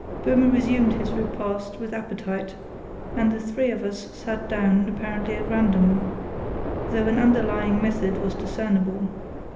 Böhme resumed his repast with appetite, and the rest of us sat down apparently at random, though an underlying method was discernible.